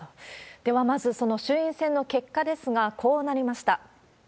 ではまず、その衆院選の結果ですが、こうなりました。